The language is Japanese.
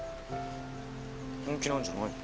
本気なんじゃないの？